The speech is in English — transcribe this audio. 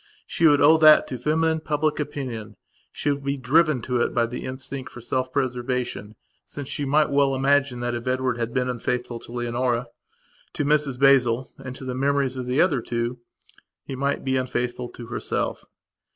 She would owe that to feminine public opinion; she would be driven to it by the instinct for self preservation, since she might well imagine that if Edward had been unfaithful to Leonora, to Mrs Basil and to the memories of the other two, he might be unfaithful to herself.